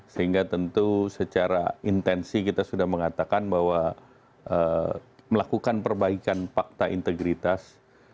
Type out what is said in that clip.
sehingga tentu secara intensi kita sudah mengatakan bahwa melakukan perbaikan fakta integritas